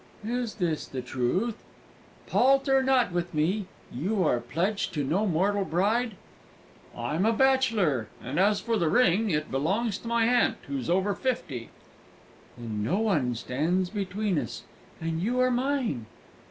"Is this the truth? Palter not with me! You are pledged to no mortal bride?" "I'm a bachelor. And as for the ring, it belongs to my aunt, who's over fifty." "Then no one stands between us, and you are mine!"